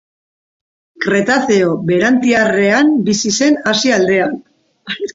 Kretazeo Berantiarrean bizi zen Asia aldean.